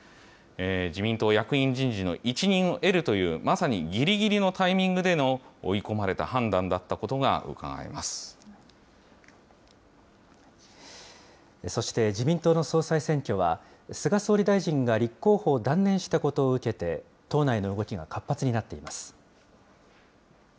自民党役員人事の一任を得るという、まさにぎりぎりのタイミングでの追い込まれた判断だったことがうそして自民党の総裁選挙は、菅総理大臣が立候補を断念したことを受けて、党内の動きが活発になっています。